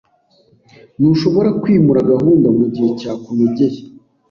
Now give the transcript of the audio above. Ntushobora kwimura gahunda mugihe cyakunogeye?